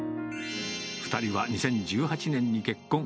２人は２０１８年に結婚。